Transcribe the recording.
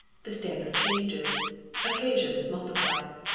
The standard changes. Occasions multiply.